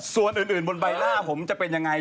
ส่วนอื่นบนใบหน้าผมจะเป็นยังไง